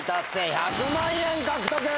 １００万円獲得！